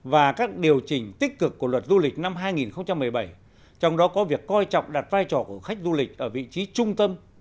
và các điều chỉnh tích cực của luật du lịch năm hai nghìn một mươi bảy trong đó có việc coi trọng đặt vai trò của khách du lịch ở vị trí trung tâm